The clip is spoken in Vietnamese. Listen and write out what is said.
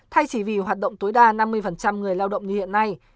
thay chỉ vì hoạt động tối đa năm mươi người lao động như hiện nay